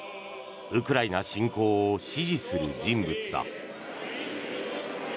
ウクライナ侵攻を支持する人物だ。